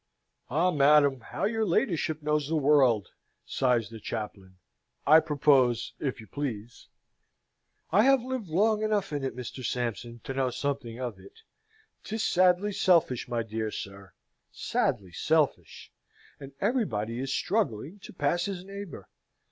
"Ah, madam; how your ladyship knows the world!" sighs the chaplain. "I propose, if you please!" "I have lived long enough in it, Mr. Sampson, to know something of it. 'Tis sadly selfish, my dear sir, sadly selfish; and everybody is struggling to pass his neighbour!